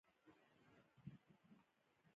پسه د شپه آرام غواړي.